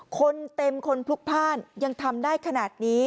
คนเต็มคนพลุกพ่านยังทำได้ขนาดนี้